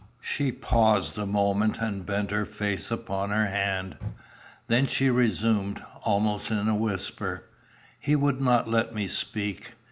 She paused a moment, and bent her face upon her hand. Then she resumed, almost in a whisper. "He would not let me speak.